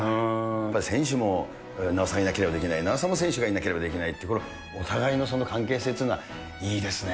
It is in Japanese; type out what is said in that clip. やっぱり選手も名和さんいなければできない、名和さんも選手がいなきゃできない、お互いの関係性というのはいいですね。